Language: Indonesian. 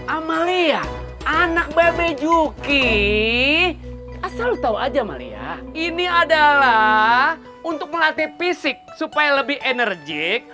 amalia anak bebe juki asal tahu aja malia ini adalah untuk melatih fisik supaya lebih enerjik